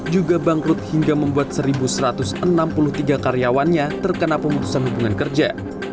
juga bangkrut hingga membuat satu satu ratus enam puluh tiga karyawannya terkena pemutusan hubungan kerja